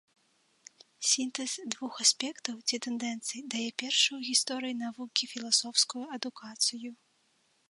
Сінтэз двух аспектаў ці тэндэнцый дае першую ў гісторыі навукі філасофскую адукацыю.